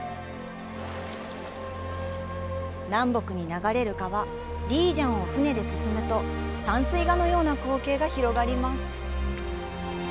南北に流れる川漓江を船で進むと山水画のような光景が広がります。